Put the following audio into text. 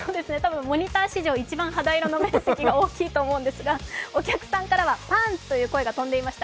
モニター史上、一番肌色の面積が大きいと思うんですがお客さんからは「パンツ！」という声が上がっていました。